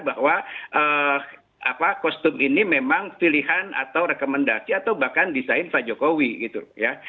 bahwa kostum ini memang pilihan atau rekomendasi atau bahkan desain pak jokowi gitu ya